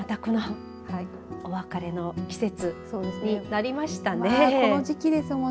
お別れの季節になりましたね。